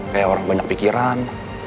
kayak orang banyak pikiran